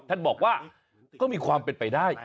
ท่านบอกว่าก็มีความเป็นไปได้